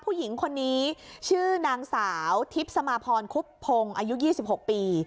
ผู้หญิงคนนี้ชื่อนางสาวทิพย์สมาพรคุบพงศ์อายุ๒๖ปี